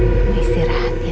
kamu istirahat ya